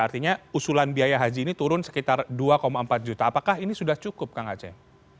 artinya usulan biaya haji ini turun sekitar dua empat juta apakah ini sudah cukup kang aceh